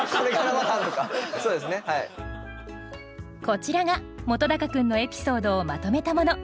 こちらが本君のエピソードをまとめたもの。